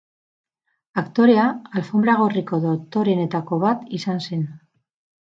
Aktorea alfonbra gorriko dotoreenetako bat izan zen.